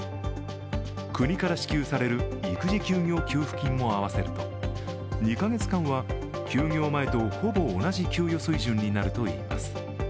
国から支給される育児休業給付金も合わせると２か月間は休業前とほぼ同じ給与水準になるといいます。